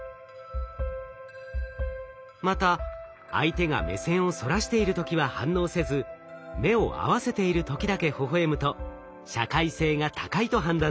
また相手が目線をそらしている時は反応せず目を合わせている時だけほほえむと社会性が高いと判断されます。